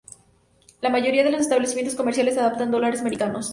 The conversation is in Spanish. La mayoría de los establecimientos comerciales aceptan dólares americanos.